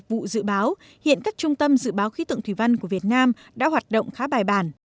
vụ dự báo hiện các trung tâm dự báo khí tượng thủy văn của việt nam đã hoạt động khá bài bản